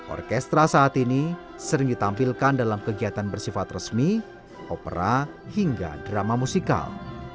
orkestra saat ini sering ditampilkan dalam kegiatan bersifat resmi opera hingga drama musikal